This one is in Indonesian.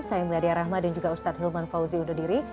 saya meladia rahma dan juga ustadz hilman fauzi undur diri